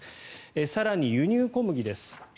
更に、輸入小麦です。